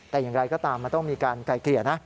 แต่อย่างไรก็ตามมันต้องมีการไกลเกลี่ยนะ